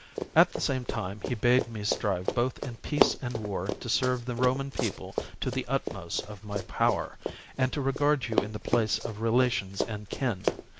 At the same time he bade me strive both in peace and war to serve the Roman people to the utmost of my power, and to regard you in the place of relations and kin.